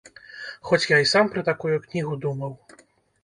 Хоць я і сам пра такую кнігу думаў.